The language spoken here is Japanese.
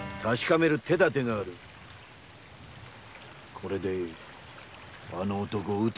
これであの男を撃て！